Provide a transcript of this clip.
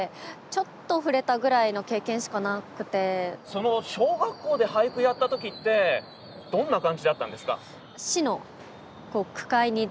その小学校で俳句やった時ってどんな感じだったんですか？